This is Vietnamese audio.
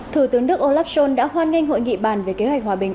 thủ tướng đức olaf scholz đã hoan nghênh hội nghị bàn về kế hoạch hòa bình